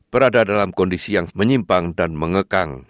berada dalam kondisi yang menyimpang dan mengekang